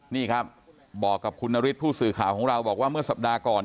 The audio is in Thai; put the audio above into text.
นี่ครับบอกกับคุณนฤทธิผู้สื่อข่าวของเราบอกว่าเมื่อสัปดาห์ก่อน